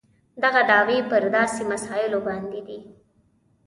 دغه دعوې پر داسې مسایلو باندې دي.